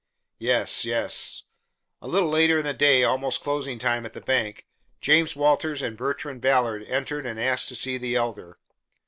"Yes, yes." A little later in the day, almost closing time at the bank, James Walters and Bertrand Ballard entered and asked to see the Elder.